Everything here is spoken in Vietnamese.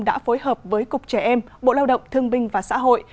đã phối hợp với cục trẻ em bộ lao động thương binh và xã hội